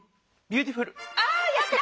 ビューティフル出た！